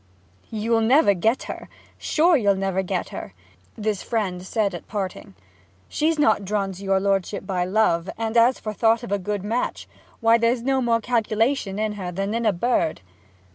'You'll never get her sure; you'll never get her!' this friend had said at parting. 'She's not drawn to your lordship by love: and as for thought of a good match, why, there's no more calculation in her than in a bird.'